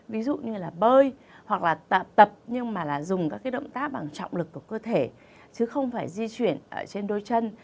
ví dụ như là bơi hoặc là tập nhưng mà là dùng các cái động tác bằng trọng lực của cơ thể chứ không phải di chuyển ở trên đôi chân